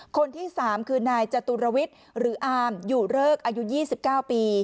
คนที่สามคือนายจตุรวิทย์หรืออาร์มอยู่เลิกอายุยี่สิบเก้าปี